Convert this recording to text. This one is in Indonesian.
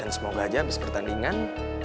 semoga aja abis pertandingan